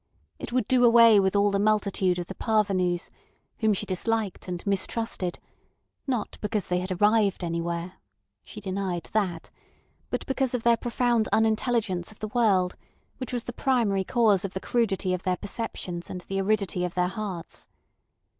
It would do away with all the multitude of the "parvenus," whom she disliked and mistrusted, not because they had arrived anywhere (she denied that), but because of their profound unintelligence of the world, which was the primary cause of the crudity of their perceptions and the aridity of their hearts.